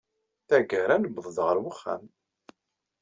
Tagara, nuweḍ-d ɣer wexxam!